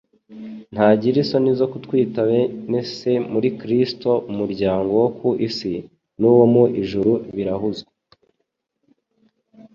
ntagira isoni zo kutwita bene se." Muri Kristo umuryango wo ku isi n'uwo mu ijuru birahuzwa.